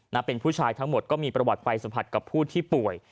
นะเป็นผู้ชายทั้งหมดก็มีประวัติไปสัมผัสกับผู้ที่ป่วย